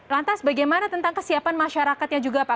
lantas bagaimana tentang kesiapan masyarakatnya juga pak